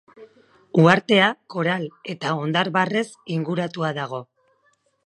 Uhartea koral eta hondar-barrez inguratua dago.